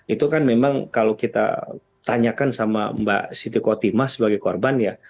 itu kan memang kalau kita tanyakan sama mbak siti kotimah sebagai korban ya